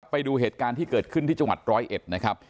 ไปดูเหตุการณ์ที่เกิดขึ้นที่จังหวัดร้อยเอ็ดนะครับ